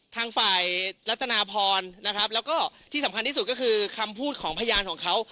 ทางฝ่ายลักษณพณฑ์ฝรดินการว่าตรงที่ถือคือคำพูดของพยาณของเขา